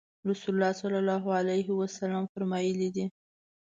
رسول الله صلی الله علیه وسلم فرمایلي دي